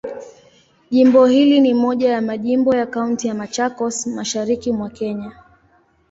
Jimbo hili ni moja ya majimbo ya Kaunti ya Machakos, Mashariki mwa Kenya.